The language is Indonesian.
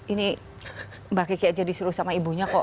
ini mbak kiki aja disuruh sama ibunya kok